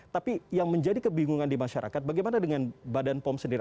tapi yang menjadi kebingungan di masyarakat bagaimana dengan badan pom sendiri